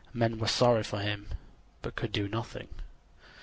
Men were sorry for him, but could do nothing.